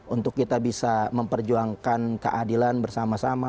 untuk kita bisa memperjuangkan keadilan bersama sama